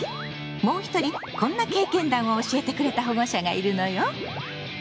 もう一人こんな経験談を教えてくれた保護者がいるのよ。